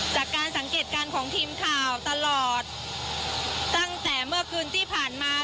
จากการสังเกตการณ์ของทีมข่าวตลอดตั้งแต่เมื่อคืนที่ผ่านมา